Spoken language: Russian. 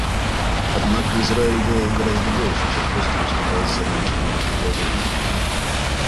Однако Израиль делал гораздо больше, чем просто выступал с заманчивыми предложениями.